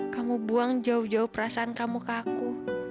kamu buang jauh jauh perasaan kamu ke aku